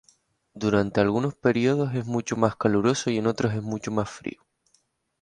Durante algunos periodos es mucho más caluroso y en otros es mucho más frío.